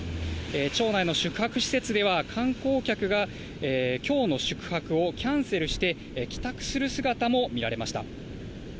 町内の宿泊施設では、観光客がきょうの宿泊をキャンセルして、帰宅する姿も見られました。